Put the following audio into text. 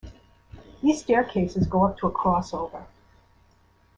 These staircases go up to a crossover.